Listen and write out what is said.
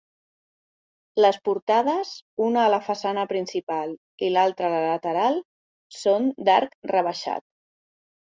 Les portades, una a la façana principal i l'altra a la lateral, són d'arc rebaixat.